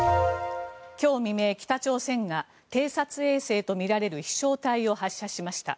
今日未明、北朝鮮が偵察衛星とみられる飛翔体を発射しました。